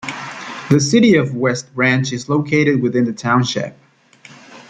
The city of West Branch is located within the township.